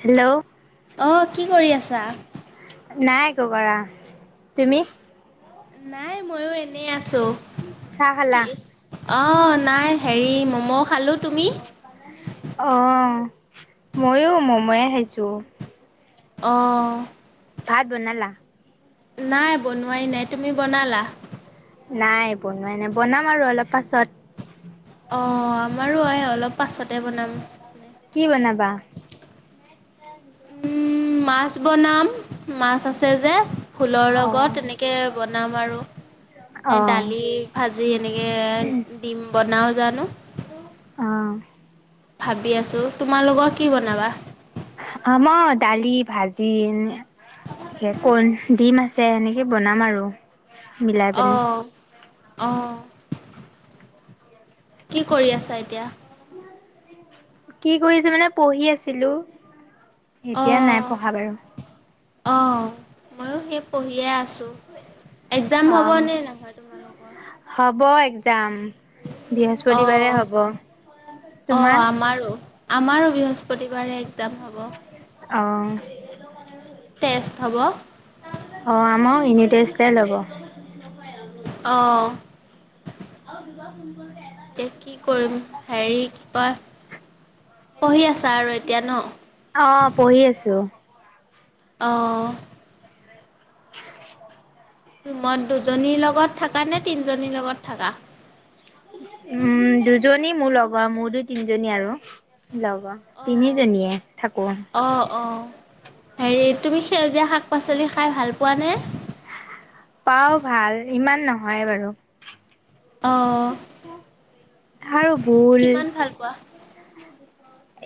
Hello অ কি কৰি আছ চাহ নাই এক' কৰা তুমি নাই মইয়ো এনেই আছো চা খালা [unintelligible] অ'ন নাই হেৰি ম'ম' খালোঁ তুমি অ মইয়ো মময়ে খাইছোঁ আহঁ ভাত বনালা নাই বনোৱাই নাই তুমি বনালা নাই বনোৱাই নে বনাম আৰু অলপ পাছত অ আমাৰো হয় অলপ পাছতে বনাম কি বনাবা। উম্ মাছ বনাম মাছ আছে যে। ফুলৰ লগত অঁ এনেকৈ বনাম আৰু অঁ দালি, ভাজি এনেকে দিম বনাওঁ জানো। আহঁ। ভাবি আছো ।তোমালোকৰ কি বনাবা? আম দালি, ভাজি, এ কন ডিম আছে এনেকে বনাম আৰু। মিলাই পিনে । অঁ। কি কৰি আছা এতিয়া। কি কৰিছে মানে পঢ়ি আছিলো। এতিয়া নাই অ'। পঢ়া বাৰু। মইয়ো সেই পঢ়িয়ে আছোঁ। একজাম অঁ হ'বনে নাই হ'ব একজাম অঁ বৃহস্পতিবাৰে হ'ব। অঁ তোমাৰ? আমাৰো আমাৰো বৃহস্পতিবাৰে একজাম হ'ব। অঁ। টেষ্ট হ'ব। অঁ আমাৰ ইউনিট টেষ্টে ল'ব। অঁ। যোৱা হোম টোৰ যে এতিয়া কি কৰিম হেৰি কি কয় পঢ়ি আছা আৰু এতিয়া ন। অ পঢ়ি আছো। অ। ৰুমত দুজনীৰ লগত থাকা নে তিনজনীৰ লগত থাকা? উ দুজনী মোৰ লগৰ মোৰ দুই তিনজনী আৰু। লগ অঁ তিনিজনীয়ে থাকোঁ। অঁ অঁ হেৰি তুমি সেউজীয়া শাক পাচলি খাই ভাল পোৱাানে? পাওঁ ভাল ইমান নহয় বাৰু। অঁহ আৰু ভোল কিমান ভাল পোৱা।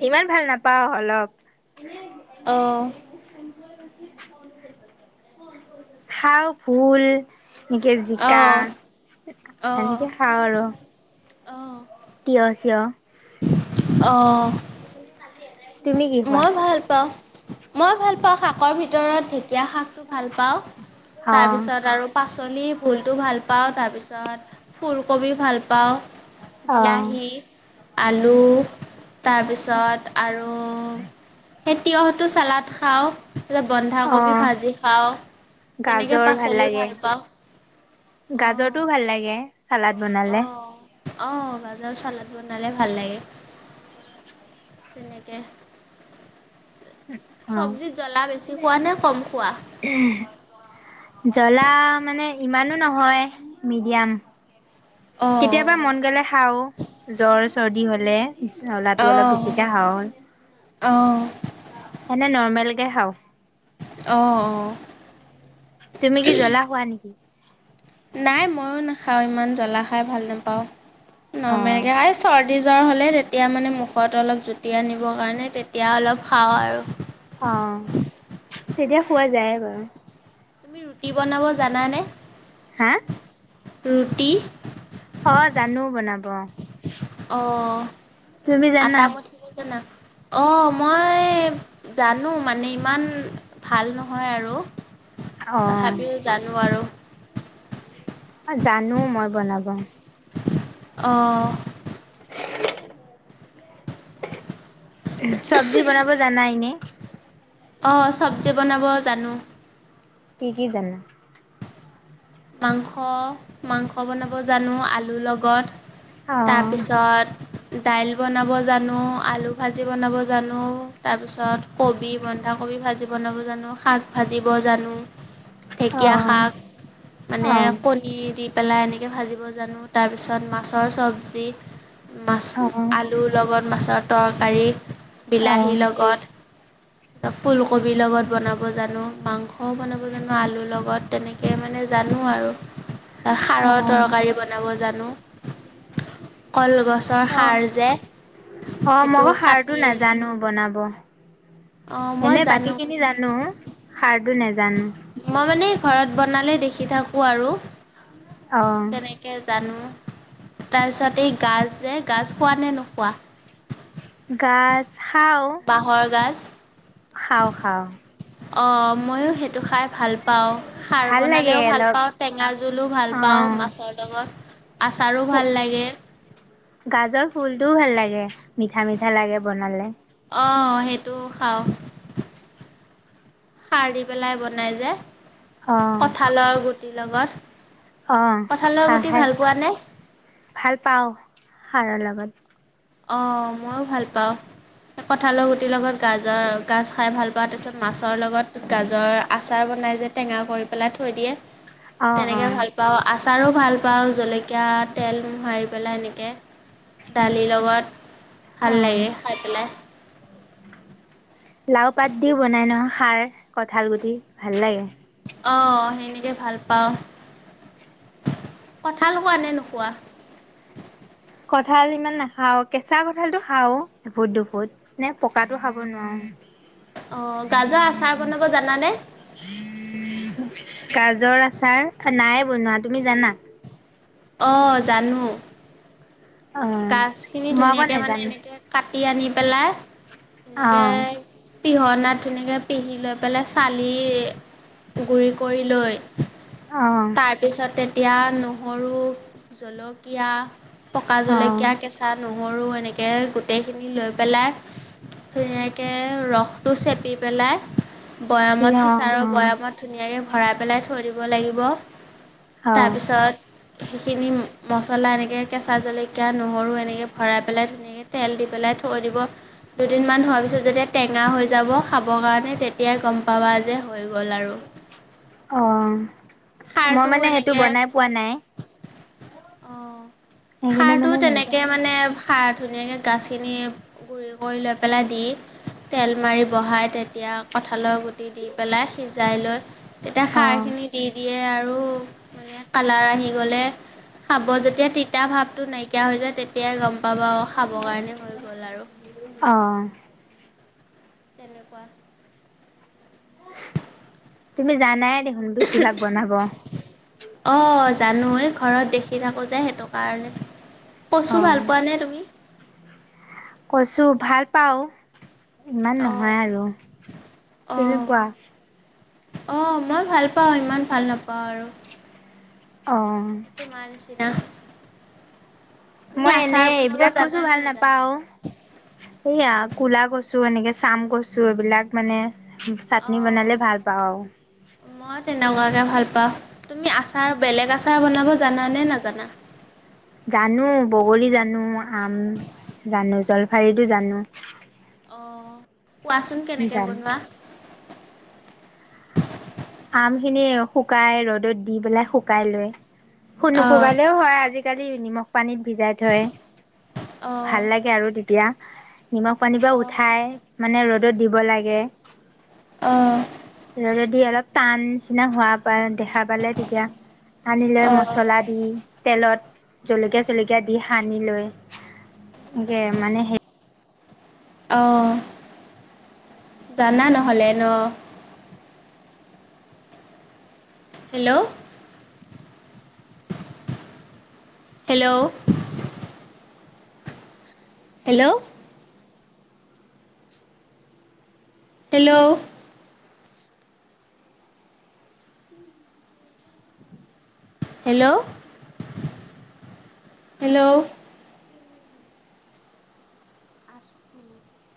ইমান ভাল নাপাও অলপ। অঁ। খাও ভোল। এনেকে জিকা অঁ অঁ সেনেকে খাওঁ আৰু। তিয় জি তিয়ঁহ। অঁহ। কুন্দুলিৰ মাটি এবেগ। মই ভাল পাওঁ। মই ভাল পাওঁ শাকৰ ভিতৰত ঢেকীয়া শাকটো ভাল পাওঁ। অ তাৰ পিছত আৰু পাচ। পাচলি ভুলটো ভাল পাওঁ, তাৰপিছত ফুলকবি ভাল পাওঁ। অ বিলাহী। আলু। তাৰপিছত আৰু। সে তিয়হতটো চালাড খাওঁ। তাৰপছত অ বন্ধাকবি ভাজি খাওঁ, তেনেকৈ গাজৰ পাচলি লাগে ভাল পাওঁ অ। গাজৰটো ভাল লাগে চালাড অ বনালে আহ গ। চালাড বনালে ভাল লাগে, তেনেকে। অ চব্জিৰ জ্বলা বেছি। হোৱা নে কম খোৱা। জ্বলা মানে ইমানো নহয়, মিডিয়াম। কেতিয়াবা অ', মন গলে খাও, জৰ্জ। চৰ্দি হ'লে। জলা টো অলপ অ', বেছিকে খোৱা, হ'ল অ', অ', এনে ন। তমেলগৈ খাওঁ। অঁ অঁ। তুমি কি জ্বলা খোৱা নেকি? নাই ময়ো নাখাওঁ ইমান জ্বলা খাই ভাল নাপাওঁ। ন অ'। মিনকে চ। জ্বৰ হ'লে তেতিয়া মানে মুখত অলপ জুতিক আনিবৰ কাৰণে তেতিয়া অলপ খাওঁ আৰু। আহঁ। তেতিয়া খোৱা যায় বাৰু। তুমি ৰুটি বনাব জানানে। হা। ৰুটি। অ জানো বনাব। অ তুমি জানা? আটামঠিব জানা। অঁ মই জানো মানে, ইমান ভাল নহয় আৰু। অ', তথাপিও জানো আৰু। জানো মই বনাব। আহঁ। উ চব্জি বনাব জানাইনে। অঁ চবজি বনাব জানো। টিকি দান। মাংস, মাংস বনাব জানো আলুৰ লগত অ', তাৰপিছত দাইল বনাব জানো, আলু ভাজি বনাব জানো, তাৰপিছত কবি বন্ধাকবি ভাজি বনাব জানো, শাক ভাজিব জানো। ঢেকীয়া অ', শাক মানে অ', কণী দি পেলাই এনেকৈ ভাজিব জানো। তাৰপিছত মাছৰ চবজি মাছ, অ', আলুৰ লগত মাছৰ তৰ পাৰী অ', বিলাহীৰ লগত ফুলকবিৰ লগত বনাব জানো, মাংসও বনাব জানো আলুৰ লগত তেনেকে মানে জানো আৰু। সাৰৰ অ'। তৰকাৰী বনাব জানো। কল অ, অ সেইটো মই কাটি সাৰটো নাজানো বনাব। অঁ মই এনে বাকী জানো খিনি জানো। খাৰটো নেজানো। মই মানে ঘৰত বনালে দেখি থাকোঁ আৰু। অ', তেনেকে জানো। তাৰপিছত এই গাজ যে গাজ খোৱা নে নোখোৱা? গাজ খাওঁ, বাঁহৰ গাজ? খাওঁ খাওঁ। অঁ, ময়ো সেইটো খাই ভাল পাওঁ। খাৰ ভাল লাগে বনালেও ভাল অলপ পাওঁ, টেঙা জোলো ভাল পাওঁ অ', মাছৰ লগত। আচাৰো ভাল লাগে। টো ভাল লাগে, মিঠা মিঠা লাগে বনালে। অ সেইটোও খাও, খাৰ দি পেলাই বনাই যে। অ', কঠালৰ গু টি লগত অ কঁঠালৰ খাই গুটি খাই ভাল পোৱানে ভাল পাও। খাৰৰ লগত। অঁ ময়ো ভাল পাওঁ ।কঁঠালৰ গুটিৰ লগত গাজৰ গাজ খাই ভাল পাওঁ, তাৰপিছত মাছৰ লগত গাজৰ আচাৰ বনাই যে টেঙা কৰি পেলাই থৈ দিয়ে অ', তেনেকে অ', ভাল পাওঁ, আচাৰো মই ভাল পাও জলকীয়া, তেল মোহাৰি পেলাই এনেকে লগত ভাল অ'। লাগে খাই পেলাই লাও পাত দিও বনাই নহয় খাৰ কঠাল গুটি ভাল লাগে। অ সেনেকে ভাল পাওঁ কঠাল খোৱা নে নোখোৱা। কঁঠাল ইমান নাখাওঁ কেঁচা কঁঠালটো খাওঁ দুফোত দুপুত নে পকাটো খাব নোৱাৰোঁ। অ গাজৰ আচাৰ বনাব জানানে? গাজৰ আচাৰ নাই বনোৱা তুমি জানা অঁ জানো অ', গাছখিনি মই আকৌ ধুনীয়াকে মানে নেজানো এনেকে কাটি আনি পেলাই অ এনেকে পিহনাত ধুনীয়াকৈ পিহি লৈ পেলাই চালি গুৰি কৰি লৈ। অ তাৰপিছতে এতিয়া নহৰু জলকীয়া পকা অ জল কেয়া কেচাটো মৰু এনেকৈ গোটেইখিনি লৈ পেলাই ধুনীয়াকৈ ৰসটো চেপি পেলাই। সি বৈয়ামত অ চিচাৰ অ বৈয়ামত ধুনীয়াকৈ ভৰাই পেলাই থৈ দিব লাগিব। অ তাৰপিছত সেইখিনি মছলা এনেকৈ কেঁচা জলক কিয়া নহৰু এনেকৈ ভৰাই পেলাই ধুনীয়াকৈ তেল দি পেলাই থৈ দিব। দুদিনমান হোৱাৰ পিছত যেতিয়া টেঙা হৈ যাব খাবৰ কাৰণে তেতিয়াই গম পাবা যে হৈ গ'ল আৰু অ মই মানে খাৰটোও সেইটো বনাই পোৱা নাই। অঁ সেইকাৰণে সাৰটো মানে নাজানো তেনেকৈ মানে সাৰ ধুনীয়াকৈ গছখিনি গু়ৰি কৰি লৈ পেলাই দি তেল মাৰি বহাই তেতিয়া কঁঠালৰ গুটি দি পেলাই সিজাই লৈ তেতিয়া অ খাৰ খিনি দি দিয়ে আৰু আৰু মানে কালাৰ আহি গ'লে খাব যেতিয়া তিতা ভাৱ নাইকিয়া হৈ যায় তেতিয়াই গম পাবা খাবৰ কাৰণে হৈ গ'ল আৰু অঁ তেনেকুৱা তুমি জানাই দেখোন বেছিভাগ বনাব অ জানো ঘৰত দেখি থাকো যে সেইটো কাৰণে অ কচু ভাল পোৱা নে তুমি কৈছো ভাল পাও ইমান অ' নহয় আৰু তুমি অ' পোৱা অ মই ভাল পাওঁ ইমান ভাল নাপাওঁ আৰু। অঁ না মই এনে এইবিলাক কচু ভাল নাপাও সেইয়া কুলা কচু টো এনেকে চাম কৈছো এইবিলাক মানে চাটনি অ' বনালে ভাল পাওঁ আৰু। মই তেনেকুৱাকৈ ভাল পাওঁ তুমি আচাৰ বেলেগ আচাৰ বনাব জানানে নাজানা। জানো বগলী জানো আম জানো জলফাৰিতো জানো। অঁ কোৱাচোন কেনেকে জানো বনোৱা? আমখিনি শুকাই ৰ'দত দি পেলাই শুকাই লয়। শুনুশু অ' কালেও হয় আজিকালি। নিমখ পানীত। ভিজাই থয় অ' ভাল লাগে আৰু তেতিয়া। নিমখ পানীৰ পৰা অ' উঠাই মানে ৰ'দত দিব লাগে। অ' ৰদত দি অলপ টান নিচিনা হোৱা প দেখা পালে তেতিয়া আনি লৈ মছলা দি। তেলত জলকীয়া ছলকীয়া দি সানি লৈ এনেকে মানে সে আহ জানা নহ'লে ন। Hello hello hello hello hello hello